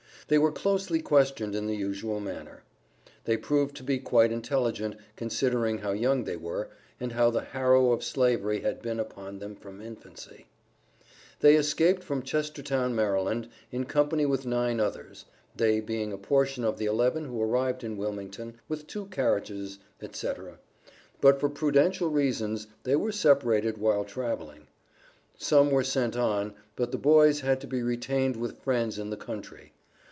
They were closely questioned in the usual manner. They proved to be quite intelligent, considering how young they were, and how the harrow of Slavery had been upon them from infancy. They escaped from Chestertown, Md., in company with nine others (they being a portion of the eleven who arrived in Wilmington, with two carriages, etc., noticed on page 302), but, for prudential reasons they were separated while traveling. Some were sent on, but the boys had to be retained with friends in the country.